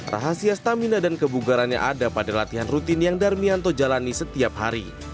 rahasia stamina dan kebugarannya ada pada latihan rutin yang darmianto jalani setiap hari